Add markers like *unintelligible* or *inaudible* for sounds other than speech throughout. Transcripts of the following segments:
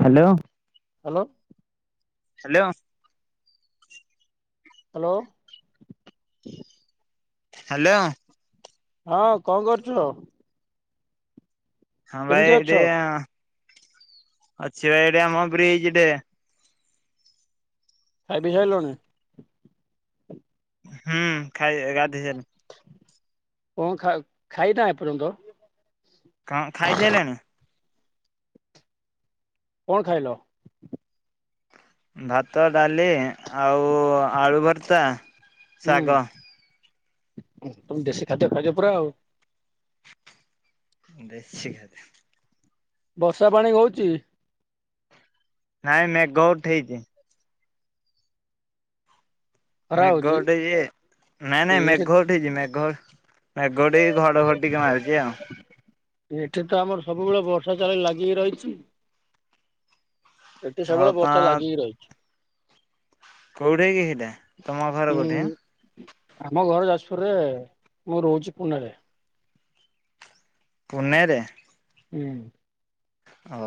Hello! Hello! Hello! Hello! Hello! ହଁ କଣ କରୁଛ? ହଁ ଭାଇ କେମିତି ଅଛ? ଏଠି ଇଁ ଅଛି, ଭାଇ ଏଠି ଆମ ବ୍ରିଜଟେ। ଖାଇ ପିଇ ସାଇଲୁଣି? ହୁଁ ଖାଇ ଗାଧୋଇ ସାରଲି। କଣ ଖା ଖାଇନା ଏପର୍ଯ୍ୟନ୍ତ? କଣ ଖାଇସାଇଲଣି? କଣ ଖାଇଲ? ଭାତ, ଡାଲି ଆଉ ଆଳୁଭର୍ତା, ଶାଗ। ଉ- ତମେ ଦେଶୀ ଖାଦ୍ୟ ଖାଇଛ। ପୁରା ଆଉ। ଦେଶୀ ଖାଦ୍ୟ! ବର୍ଷା ପାଣି ହଉଛି? ନାଇଁ ମେଘ ଉଠେଇଚି। ଖରା ନାଇଁ ହଉଛି ଗୋଟେ ଯେ ନାଇଁ ନାଇଁ ଏଠି ମେଘଉଠେଇଚି, ମେଘ! ମେଘ ଉଠେଇକି ଘଡ଼ଘଡ଼ି ଟିକେ ମାରୁଛି ଆଉ। ଏଠି ତ ଆମର ସବୁବେଳେ ବର୍ଷା ଚାଳି ଲାଗିିକି ରହିଛି। ଏଠି ଆଉ ସେବୁବେଳେ ତ ବର୍ଷା ଲାଗିକି ରହିଚି। କୋଉଠି କି ସେଇଟା? ତମ ଘରେ ଉଁ ପଟେ ହାଁ? ଆମ ଘର ଯାଜପୁରରେ ଆଉ। ମୁଁ ରହୁଚି ପୁନରେ। ପୁନେ ରେ? ଆଜ୍ଞା। ଓ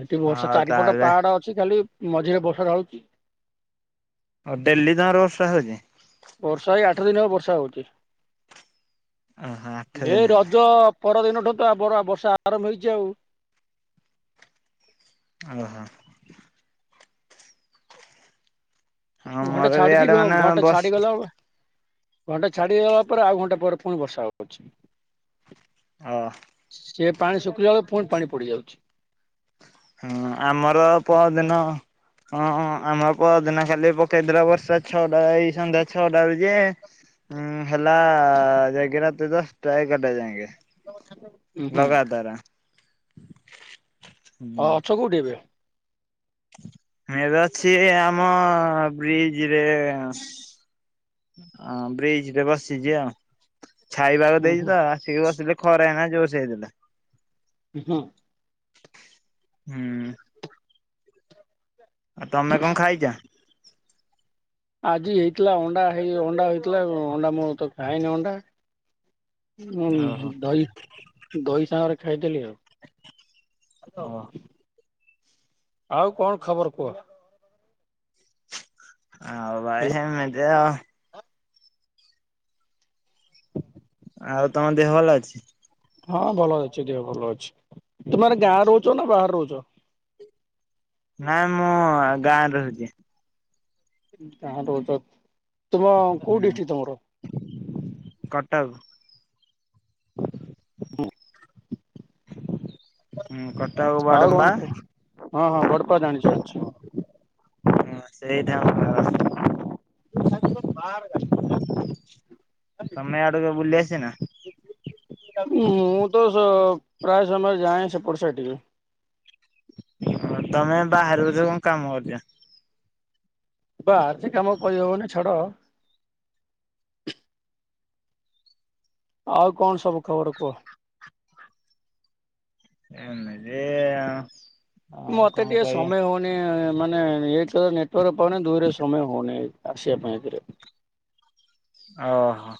ଏମତି ବର୍ଷା ଆଉ ଚାରିପଟ ତାହେଲେ ପାହାଡ ଅଛି, ଖାଲି ମଝିରେ ବର୍ଷା ଢାଳୁଚି। ଆଉ ଡେଲଲି ତମରବର୍ଷା ହଉଚି? ବର୍ଷା ଏଇ ଆଠ ଦିନ ବର୍ଷା ହଉଚି। ଓହୋ ଆଠ ଦିନ ଏ ହେଲା ରଜ ପରଦିନ ଠୁ ତ ବର ବର୍ଷା ଆରମ୍ଭ ହେଇଚି ଆଉ। ଓ ହୋ। ଘଣ୍ଟା ଆମର ବି ଛାଡୁଚି ଇଆଡେ ମାନେ ଘଣ୍ଟା ବସ ଛାଡିଗଲା ଆ। ଘଣ୍ଟା ଛାଡିଦଲା ପରେ ଆଉ ଘଣ୍ଟା ପରେ ପୁଣି ବର୍ଷା ହଉଚି। ଓଃ। ସେ ପାଣି ଶୁଖିଲା ବେଳେ ପୁଣି ପାଣି ପଡିଯାଉଚି। ହଁ ଆମର ପଅର ଦିନ ହ ଆମର ପଅର ଦିନ ଖାଲି କେଦ୍ର ବର୍ଷା ଛଅଟା ଏଇ ସନ୍ଧ୍ୟା ଛଅଟା ବେଳେ ଯେ ଉଁ ହେଲା ଜାଗିରା ତେ ଦଶ ଟା ଏଗାର ଟେ ଯାଏକେ। ହୁଁ ହୁଁ। ଅ ଅଛ କୋଉଠି ଏବେ? ମୁ ଏବେ ଅଛି ଆମ ବ୍ରିଜ ରେ ହଁ ବ୍ରିଜ। ଏ ବସିଚି ଆଉ, ଛାଇପାଗ ଉଁ ହୁଁ ଦେଇଚି ତ ଆସିକି ବସିଲେ ଖରା ହେଇନା *unintelligible* ହଁ। ହୁଁ। ଆଉ ତମେ କଣ ଖାଇଚ? ଆଜି ହେଇଥିଲା ଅଣ୍ଡା ହେଇ ଅଣ୍ଡା ହେଇଥିଲା। ଅଣ୍ଡା ମୁତ ଖାଏନି ଅଣ୍ଡା। ଉଁ ଓହୋ ଦହି ଦହି ସାଙ୍ଗରେ ଖାଇଦେଲି ଓ ଆଉ। ଆଉ କଣ ଖବର କୁହ? ଆଉ ଭଲ ଭାଇ ଏମିତି ଆ। ଆଉ ତମ ଦେହ ଭଲ ଅଛି? ହଁ ଭଲ ଅଛି। ଦେହ ଭଲ ଅଛି। ତୁମର ଗାଁ ରହୁଚ ନା ବାହରେ ରହୁଚ? ନାଇଁ ମୁଁ ଗାଁରେ ରହୁଚି। ଗାଁରେ ରହୁଚ। ତୁମ କୋଉ ହୁଁ ଡିଷ୍ଟ୍ରିକ୍ଟ ତମର? କଟକ। ହଁ। ହୁଁ କ ଆଉ କଣ କୁହ। ହଁ ହଁ ବଡପା ଜାଣିଚି ଜାଣିଚି। ହଁ ସେଇଟା ଆମ *unintelligible* *unintelligible* ସମୟ ଆଡକୁ ବୁଲି ଆସି ନା ମୁଁ ତ ସ ପ୍ରାୟ ସମୟ ଯାଏ ସେପଟ ସେଠିକ। ହ ତମେ ବାହାରୁଚ କଣ କାମ ଅଛି ଆ ବା ଆଜି କାମ କରିହଉନି ଛାଡ଼। ଆଉ କଣ ସବୁ ଖବର କୁହ? ଏମିତି ଆ ମତେ ଟିକେ ସମୟ ହଉନି ମାନେ ଏଇ ନେଟୱାର୍କ ପାଉନି ଦୁଇରେ ସମୟ ହଉନାଇ ଆସିବା ପାଇଁ ଏଥିରେ। ଓ ହୋ।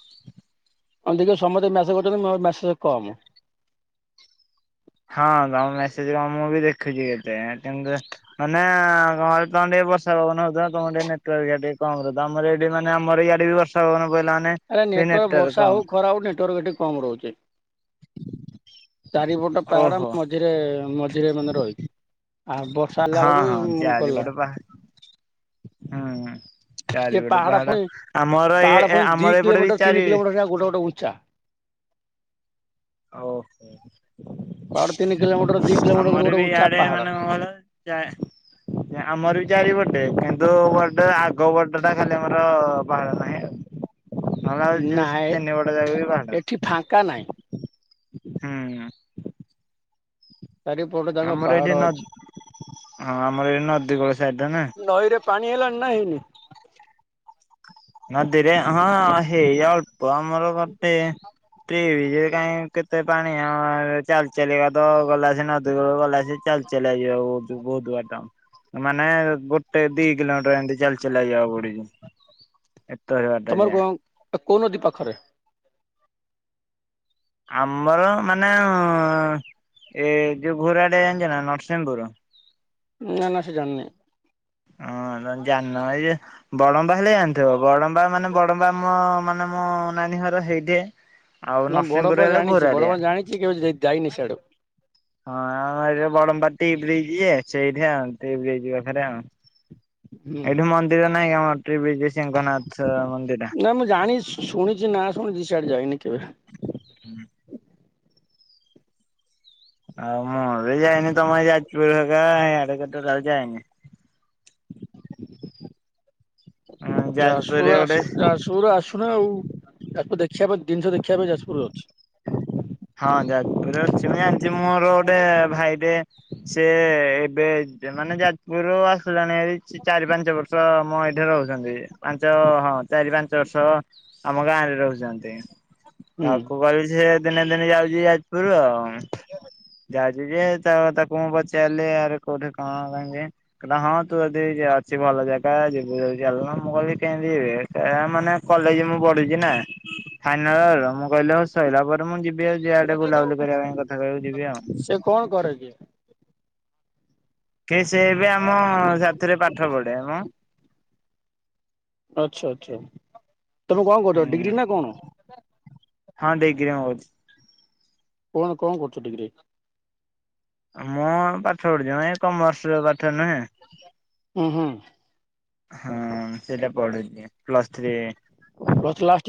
ଆ ଦେଖିବା ସମସ୍ତେ ମେସେଜ କରୁଛନ୍ତି ମୋ ମେସେଜ କମ୍ ହଁ ତମ ମେସେଜ କମ ମୁଁ ବି ଦେଖୁଛି କେତେ ମାନେ ଘରେ ତମେ ଟି ବର୍ଷା ପବନ ହଉ ତମେଟ ଟିକେ କମ ରହୁ ଆମର ଏଠି ମେ ଆମର ଇଆଡେ ବି ବର୍ଷାପବନ ଆରେ ନେଟୱାର୍କ ବର୍ଷା ହଉ ଖରା ହଉ ନେଟୱର୍କ ଏଠ କମ ରହୁଛି। ଚାରିପଟ ପାହାଡ ଓହୋ ମଝିରେ ମଝିରେ ମାନେ ରହିଲୁ। ଆଉ ବର୍ଷା ହେଲା ବେଳକୁ ଗଲା ହୁଁ ହୁଁ। ସେ ଚାରିପଟେ ପାହାଡ। ପୁଣି ଆମର ଇ ପାହାଡ ଆମର ଏପଟେ ବି ଚାରି ଚା ଓହୋ ପାହାଡ ତିନି କିଲୋମିଟର ଦି କିଲୋମିଟର ଗୋଟେ ଆମର ଗୋଟେ ବି ଉଞ୍ଚା ଇଆଡେ ପାହାଡ। ମାନେ କଣ କ ଯାଏ ଆମର ବି ଚାରିପଟେ ବଡ ଆଗ ପଟଟା ଖାଲି ଆମର ପାହାଡ ନାହିଁ। ନ ହେଲେ ନାଇଁ ତିନି ପଟ ଯାକ ବି ଏଠି ଫାଙ୍କା ନାହିଁ ପାହାଡ- ହୁଁ ହୁଁ। ଚାରିପଟେ ତାଙ୍କ ଆମର ପାହାଡ ଏଇଠି ଅଛି ନଦୀ ହଁ ଆମର ଏଇି ନଦୀକୂଳ ସାଇଡ ନା ନଈରେ ପାଣି ଆଇଲାନି ନାଇଁ? ନଦୀରେ ହଁ ହେଇଯିବ- ଅମରାବତୀ *unintelligible* ପାଣି ଆ ଚାଲି ଚାଲି କାତ ଗଲା ସେ ନ- ଗଲା ଯେ ଚାଲି ଚାଲି ଯିବାକୁ ବହୁତାର ଟ ମାନେ ଗୋଟେ ଦି କିଲୋମିର ଏ ଚାଲି ଚାଲିଯିବାକୁ ପଡୁଛି। ଏତେ ବାଟ ତମର ଯାଏ। କ କଉ ନଦୀ ପାଖରେ? ଆମର ମାନେ ହଁ- ଏ ଯୋଉ ଘୋଡା ଡ୍ୟାମ ଜାଣିଛ ନା ନରସିଂହପୁର। ନା ନା ସେ ଜାନିନାଇଁ। ହଁ ଜ ଜାନ ଭାଇ ଓ ବା ହେିଲ ଜାଣିଥିବ ବଡମ୍ବା ମାନେ ବଡମ୍ବା ଆମ ମାନେ ମୋ ନାନୀ ଘର ହେଇଥେ। ହ ବଡପୁଅ ଜାଣିଛି ବଡପୁଅ ଜାଣିଛି କେଉ ଯାଇନି ଆଡୁ। ହଁ ଆମ ଏଠି ବଡମ୍ବା ଟି ବ୍ରିଜ୍ ଯେ ସେଇଠି ଆଉ ଯାଇ ପାଖରେ ଆଉ ହୁଁ ଏଇଠୁ ମନ୍ଦିର ନାଇଁ ଆମର। ତ୍ରି ବିଜୟସିିଂଙ୍କନାଥ ମନ୍ଦିର ନା ମୁଁ ଜାଣି ଶୁଣିଛି ନା ଶୁଣିଛି ସିଆଡେ ଯାଇନି କେବେ ହୁଁ ଆଉ ମୁଁ ବି ଯାଇନି ତମେ ଯାଜପୁର ହେ ଆଡେ କେ ଯାଇନି। ହଁ ଯାଜପୁରରେ ଯାଜୁର ଗୋଟେ ଆସ ଯାଜୁର ଆସୁନା ଆଉ? ଦେଖିବା ପାଇଁ ଜିନିଷ ଦେଖିବା ପାଇଁ ଯାଜପୁରରେ ଅଛି। ହଁ *unintelligible* ଅଛି ମୁଁ ଜାଣିଛି ମୋର ଗୋଟେ ଭାଇଟେ ସେ ଏବେ ମାନେ ଯାଜପୁରରୁୁ ଆସିଲାଣି ଚାରି ପାଞ୍ଚ ବର୍ଷ ଆମ ଏଇଠି ରହୁଛନ୍ତି ପାଞ୍ଚ ହଁ ଚାରି ପାଞ୍ଚ ବର୍ଷ ଆମ ଗାଁରେ ରହୁଛନ୍ତି। ତାକୁ କହିଲି ସେ ଦିନେ ଦିନେ ଯାଉଛି ଯାଜପୁରରୁ ଆଉ ଯା ଯ ଯେ ତା ତାକୁ ମୁଁ ପଚାରିଲେ ଆ କୋଉଠି କଣ କ ହଁ ତୁ ଯଦି ଯ ଅଛି ଭଲ ଭଲ ଜାଗା ଯିବୁ ଯଲ ମୁଁ କହିଲି କେମତି ମାନେ କଲେଜ ମୁଁ ପଢୁଛି ନା। ଫାଇନାଲର ମୁଁ କ ସଇଲା ପରେ ମୁଁ ଯିବି ଆଉ ଯିଆଡେ ବୁଲାବୁଲି ହୁଁ କରିବା ପାଇଁ କଥା କହକୁ ଯିବି ଆଉ। ସେ କଣ କରେ କି କି ସେ ବି ଆମ ସାଥିରେ ପାଠ ପଢେମ। ଆଚ୍ଛା ଆଚ୍ଛା ତମେ କଣ କହୁଛ ହୁଁ ଡିଗ୍ରୀ ନା କଣ? ହଁ ଡିଗ୍ରୀ ମୁଁ *unintelligible* କଣ କଣ କରୁଛ ଡିିକ୍ରୀ? ମୁଁ ପାଠ ପଢିଛି ଏ କମର୍ସ ନୁହେଁ ହୁଁ ହୁଁ। ହଁ ସେଟା ପଢୁଛି ପ୍ଲସ୍ ଥ୍ରୀ। ପ୍ଲସ ଲାଷ୍ଟ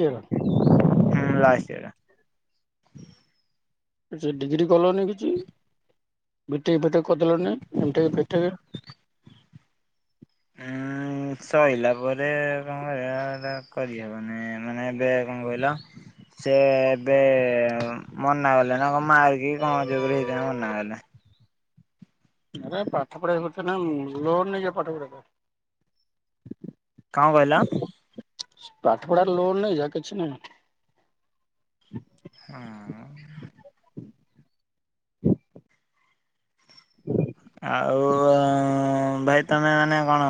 ହୁଁ ଲସ୍ ହେଲଗଲା। ସେ ଡିଗ୍ରୀ କଲନି କିଛି। ବି ଟେକ୍ ଫି ଟେକ୍ କର ଦେଲେନି ଏମ୍ ଟେକେ ଫେ ଟେକେ। ହଁ। ହୁଁ ସଇଲା ପରେ କଣ ହେଲା ନା କରିହବନି ମାନେ ଏବେ କଣ କହିଲ ସେ ଏବେ ମନା କଲେ ନା କଣ *unintelligible* କଣ ଯୋଗୁରୁ ହେଇଥାନ୍ତା ମନା କଲେ। ଆରେ ପାଠ ପଢିବା କଥା ନା ଲୋନ ନେଇଯା ପାଠ ପଢିବା ପାଇଁ। କଣ କହିଲ? ପାଠ ପଢାରେ ଲୋନ ନେଇଯା କିଛି ନାହିଁ। ହୁଁ। ହୁଁ ଆଉ ଭାଇ ତମେ ମାନେ କଣ